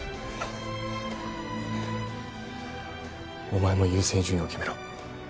お前も優先順位を決めろ。